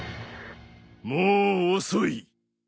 もう遅い。